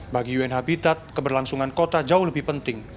bagi un habitat keberlangsungan kota jauh lebih penting